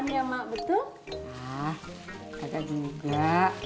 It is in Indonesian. nah kakak juga